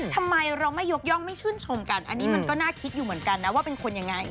ทำไมเราไม่ยกย่องไม่ชื่นชมกันอันนี้มันก็น่าคิดอยู่เหมือนกันนะว่าเป็นคนยังไง